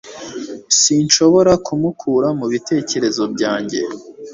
sinshobora kumukura mu bitekerezo byanjye